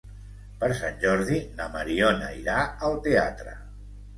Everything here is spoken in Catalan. Per Sant Jordi na Mariona irà al teatre.